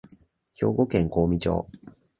兵庫県香美町